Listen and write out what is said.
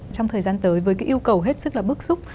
trong thời gian tới với cái yêu cầu hết sức là bức xúc